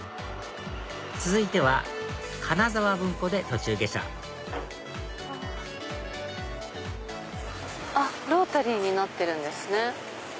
続いては金沢文庫で途中下車ロータリーになってるんですね。